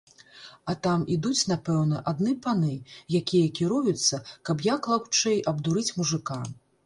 А там ідуць напэўна адны паны, якія кіруюцца, каб як лаўчэй абдурыць мужыка.